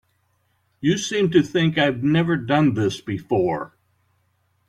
You seem to think I've never done this before.